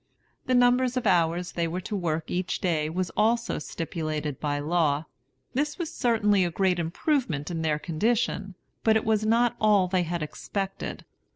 The number of hours they were to work each day was also stipulated by law. This was certainly a great improvement in their condition; but it was not all they had expected.